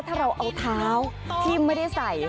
ถ้าเราเอาเท้าที่ไม่ได้ใส่